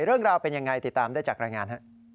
เรื่องราวเป็นยังไงติดตามได้จากรายงาน